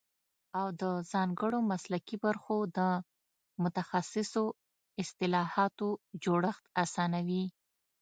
او د ځانګړو مسلکي برخو د متخصصو اصطلاحاتو جوړښت اسانوي